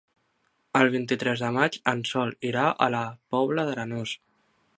El vint-i-tres de maig en Sol irà a la Pobla d'Arenós.